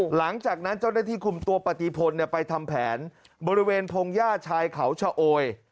หลังจากนั้นเจ้าหน้าที่คุมตัวปฏิพลไปทำแผนบริเวณพงหญ้าชายเขาชะโอย